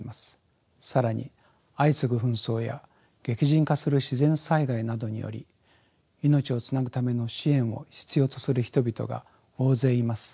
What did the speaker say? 更に相次ぐ紛争や激甚化する自然災害などにより命をつなぐための支援を必要とする人々が大勢います。